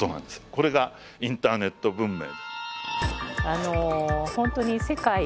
これがインターネット文明。